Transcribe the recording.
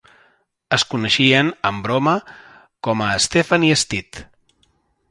Es coneixien, en broma, com a Stephen i Stitt.